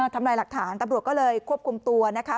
ตำรวจก็เลยควบคุมตัวนะคะ